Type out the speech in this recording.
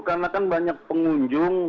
karena kan banyak pengunjung